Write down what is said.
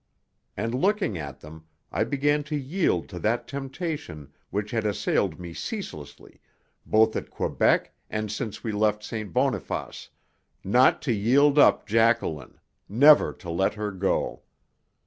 And looking at them, I began to yield to that temptation which had assailed me ceaselessly, both at Quebec and since we left St. Boniface, not to yield up Jacqueline, never to let her go.